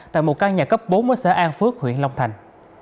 tại một căn nhà cấp bốn ở xã an phước huyện long thành